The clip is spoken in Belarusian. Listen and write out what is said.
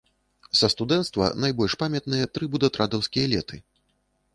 Са студэнцтва найбольш памятныя тры будатрадаўскія леты.